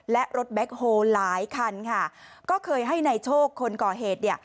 และรถแบคโฮล์หลายคันก็เคยให้ในโชคคนก่อเหตุ